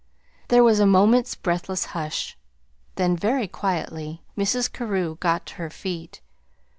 There was a moment's breathless hush, then, very quietly, Mrs. Carew got to her feet.